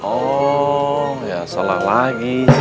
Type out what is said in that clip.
oh ya salah lagi